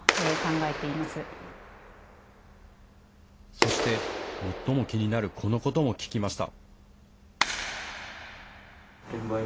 そして最も気になるこのことも聞きました。